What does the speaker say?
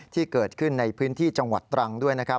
ที่เกิดขึ้นในพื้นที่จังหวัดตรังด้วยนะครับ